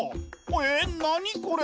え何これ？